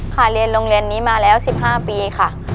เรียนโรงเรียนนี้มาแล้ว๑๕ปีค่ะ